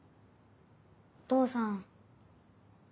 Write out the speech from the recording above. お父さん。